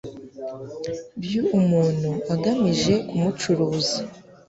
by umuntu agamije kumucuruza